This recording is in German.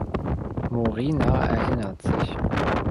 Morina erinnert sich.